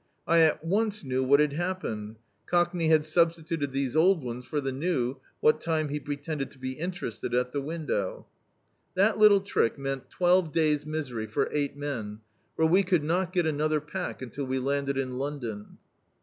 I at once knew what had happened : Cockney had substituted these old ones for die new, what time he pretended to be interested at the win dow. That little trick meant twelve days' misery [■■4] D,i.,.db, Google Thieves for eight men, for we could not get another pack until we landed in London.